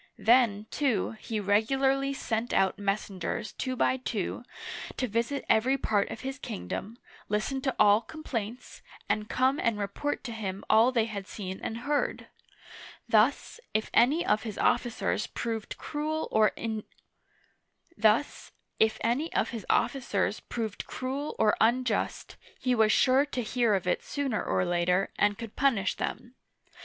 Then, too, he regularly sent out messengers two by two, to visit every part of his kingdom, listen to all complaints, and come and report to him all they had seen and heard. Thus, if any of his officers proved cruel or unjust, he was sure to hear of it sooner or later, and could punish them.